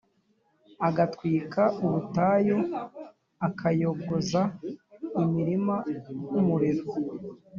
ugatwika ubutayu, ukayogoza imirima nk’umuriro.